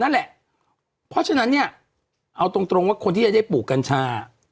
นั่นแหละเพราะฉะนั้นเนี่ยเอาตรงตรงว่าคนที่จะได้ปลูกกัญชา